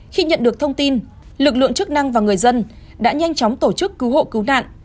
khi nhận được thông tin lực lượng chức năng và người dân đã nhanh chóng tổ chức cứu hộ cứu nạn